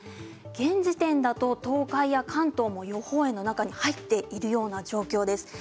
現時点だと、東海や関東も予報円の中に入っている状況です。